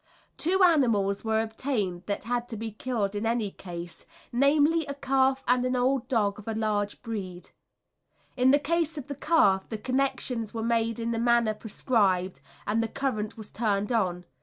Two animals were obtained that had to be killed in any case, namely, a calf and an old dog of a large breed. In the case of the calf the connections were made in the manner prescribed, and the current was turned on.